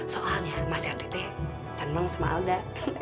soalnya mas henry teh tenang sama alda